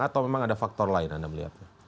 atau memang ada faktor lain anda melihatnya